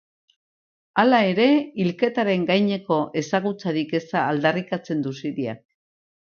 Hala ere, hilketaren gaineko ezagutzarik eza aldarrikatzen du Siriak.